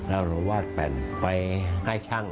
แล้วหนูวาดแป่นไปให้ช่าง